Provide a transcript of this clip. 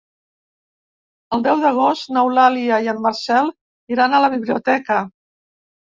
El deu d'agost n'Eulàlia i en Marcel iran a la biblioteca.